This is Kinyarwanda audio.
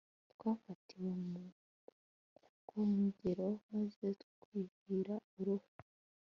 twafatiwe mu bwogero maze twuhira uruhu